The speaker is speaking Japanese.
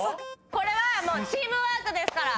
これはチームワークですから。